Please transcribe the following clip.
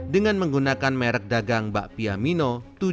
dengan menggunakan merek dagang bakpia mino tujuh